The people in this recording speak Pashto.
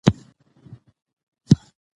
میرویس نیکه د پښتنو د یووالي لپاره قرباني ورکړه.